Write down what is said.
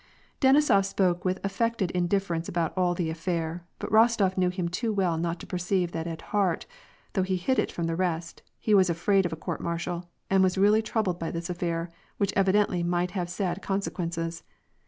Denisof spoke with affected indifference about all the affair; but Rostof knew him too well not to perceive that at heart — though he hid it from the rest — he was afraid of a court mar tial, and was really troubled by this affair, which evidently might have sad consequences.